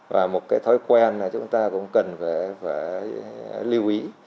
và một cái thói quen là chúng ta cũng cần phải lưu ý